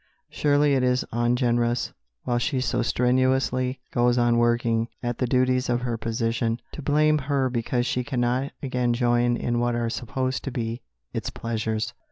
Surely it is ungenerous, while she so strenuously goes on working at the duties of her position, to blame her because she cannot again join in what are supposed to be its pleasures.